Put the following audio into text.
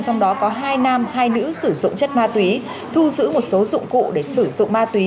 trong đó có hai nam hai nữ sử dụng chất ma túy thu giữ một số dụng cụ để sử dụng ma túy